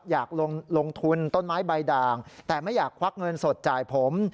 อยากลงทุนต้นไม้ใบด่างแต่ไม่อยากควักเงินสดจ่ายผม